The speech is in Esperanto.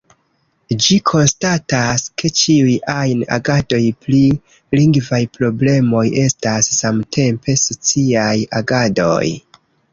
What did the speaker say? Ĝi konstatas, ke "ĉiuj ajn agadoj pri lingvaj problemoj estas samtempe sociaj agadoj".